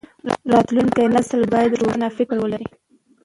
راتلونکی نسل بايد روښانه فکر ولري.